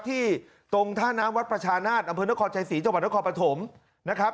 ที่ตรงท่าน้ำวัดประชานาศอนครชายศรีจนครปฐมนะครับ